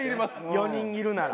４人いるなら。